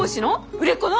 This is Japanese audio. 売れっ子の？